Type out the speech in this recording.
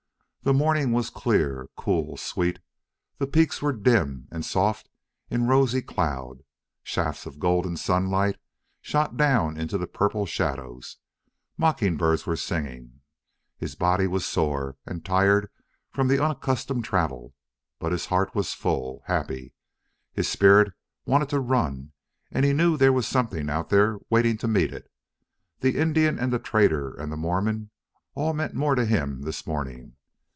The morning was clear, cool, sweet; the peaks were dim and soft in rosy cloud; shafts of golden sunlight shot down into the purple shadows. Mocking birds were singing. His body was sore and tired from the unaccustomed travel, but his heart was full, happy. His spirit wanted to run, and he knew there was something out there waiting to meet it. The Indian and the trader and the Mormon all meant more to him this morning.